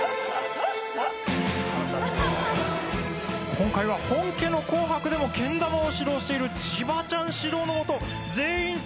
今回は本家の『紅白』でもけん玉を指導しているちばちゃん指導の下全員成功を目指します。